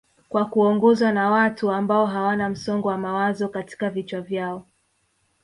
kwa kuongozwa na watu ambao hawana msongo wa mawazo katika vichwa vyao